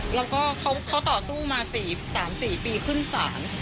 แล้วก็เขาต่อสู้มา๓๔ปีขึ้นศาล